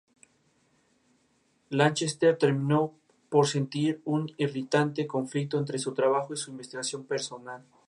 Lanchester terminó por sentir un irritante conflicto entre su trabajo y su investigación personal.